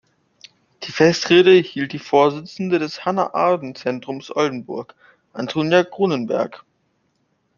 Die Festrede hielt die Vorsitzende des Hannah-Arendt-Zentrums Oldenburg, Antonia Grunenberg.